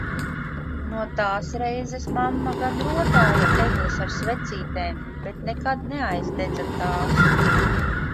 No tās reizes mamma gan rotāja egles ar svecītēm, bet nekad neaidedza tās!